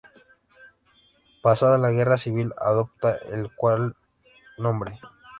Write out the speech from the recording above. Pasada la Guerra Civil adopta el actual nombre.